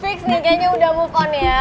fix nih kayaknya udah move on ya